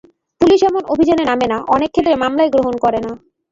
Police এমন অভিযানে নামে না, অনেক ক্ষেত্রে মামলাই গ্রহণ করে না।